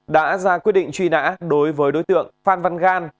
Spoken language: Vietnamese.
đã ra quyết định truy nã đối với đối tượng phan văn gan